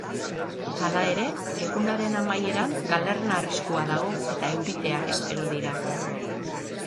Hala ere, egunaren amaieran galerna arriskua dago, eta euriteak espero dira.